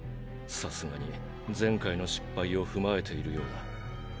さすがに「前回」の失敗を踏まえているようだ。